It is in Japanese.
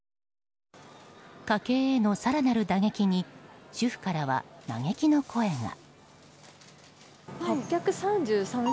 家計への更なる打撃に主婦からは嘆きの声が。